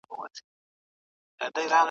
آیا تاسو دا تاریخ لوستلی دی؟